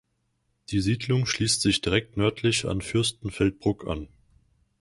Die Siedlung schließt sich direkt nördlich an Fürstenfeldbruck an.